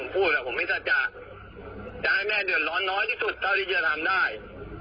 ผมพูดแหละผมไม่ชัดจะจะให้แม่เดือนร้อนน้อยที่สุดเดี๋ยวที่จะทำได้